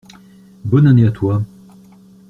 Bonne année à toi.